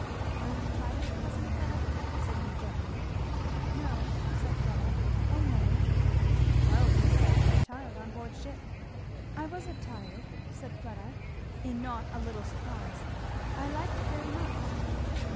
"Are you tired, cousin Fleda?" said he gently. "No," said Fleda. "O no." "Charlton said you were tired on board ship." "I wasn't tired," said Fleda, in not a little surprise; "I liked it very much."